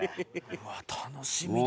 うわ楽しみだな。